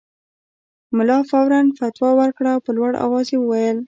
ملا فوراً فتوی ورکړه او په لوړ اواز یې وویل.